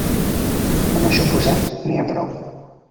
Amb això posat n'hi ha prou.